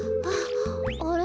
あれ？